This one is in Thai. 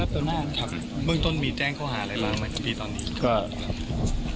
เบื้องต้นมีแจ้งเขาหาอะไรบ้างมันทีตอนนี้